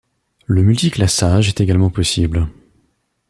Le multiclassage est également possible.